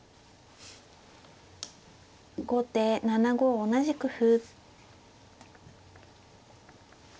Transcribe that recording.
後手７五同じく歩。